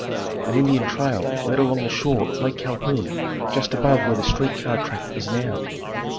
An Indian trail led along the shore of Lake Calhoun just above where the street car track is now.